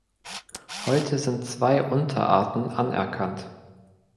Heute sind zwei Unterarten anerkannt.